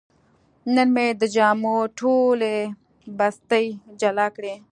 نن مې د جامو ټولې بستې جلا کړې.